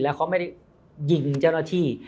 แล้วเขาไม่ได้ยิงเจ้าหน้าที่